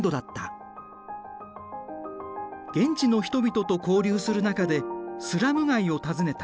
現地の人々と交流する中でスラム街を訪ねた。